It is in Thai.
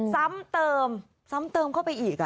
ซ้ำเติมซ้ำเติมเข้าไปอีก